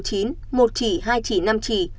một chỉ hai chỉ năm chỉ